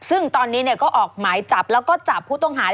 ซึ่งตอนนี้ก็ออกหมายจับแล้วก็จับผู้ต้องหา